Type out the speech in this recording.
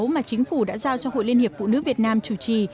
mà chính phủ đã giao cho hội liên hiệp phụ nữ việt nam chủ trì